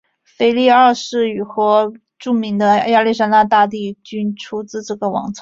腓力二世和著名的亚历山大大帝均出自这个王朝。